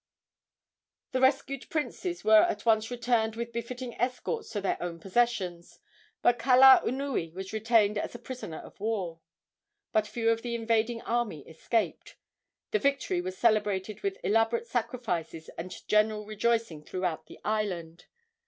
The rescued princes were at once returned with befitting escorts to their own possessions, but Kalaunui was retained as a prisoner of war. But few of the invading army escaped. The victory was celebrated with elaborate sacrifices and general rejoicing throughout the island.